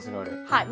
はい。